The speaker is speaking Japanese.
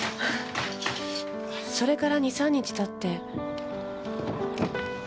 それから２３日経って。